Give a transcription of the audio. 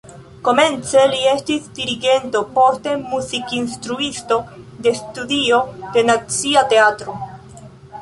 Komence li estis dirigento, poste muzikinstruisto de studio de Nacia Teatro.